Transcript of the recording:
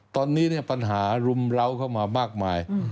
ตอนนี้เนี่ยปัญหารุมเล้าเข้ามามากมาย